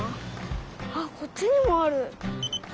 はっこっちにもある！